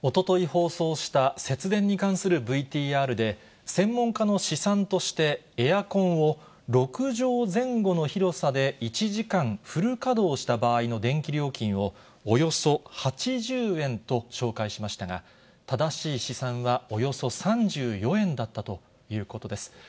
放送した節電に関するＶＴＲで、専門家の試算として、エアコンを６畳前後の広さで１時間フル稼働した場合の電気料金を、およそ８０円と紹介しましたが、正しい試算はおよそ３４円だったということです。